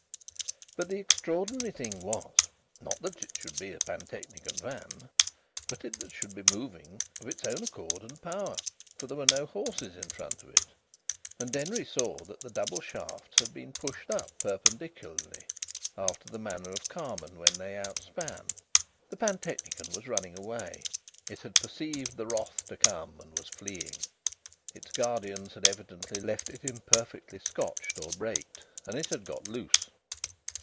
But the extraordinary thing was, not that it should be a pantechnicon van, but that if should be moving of its own accord and power. For there were no horses in front of it, and Denry saw that the double shafts had been pushed up perpendicularly, after the manner of carmen when they outspan. The pantechnicon was running away. It had perceived the wrath to come and was fleeing. Its guardians had evidently left it imperfectly scotched or braked, and it had got loose.